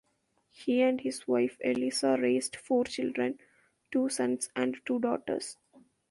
He and his wife Eliza raised four children, two sons and two daughters.